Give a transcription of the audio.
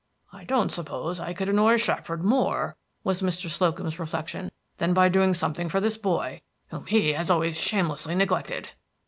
"I don't suppose I could annoy Shackford more," was Mr. Slocum's reflection, "than by doing something for this boy, whom he has always shamelessly neglected."